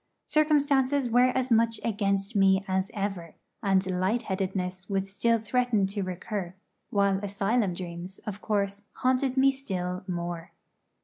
Circumstances were as much against me as ever, and light headedness would still threaten to recur, while asylum dreams, of course, haunted me still more.